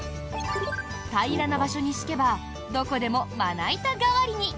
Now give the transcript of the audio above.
平らな場所に敷けばどこでも、まな板代わりに。